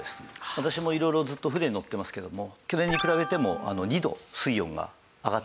私も色々ずっと船に乗ってますけども去年に比べても２度水温が上がってます。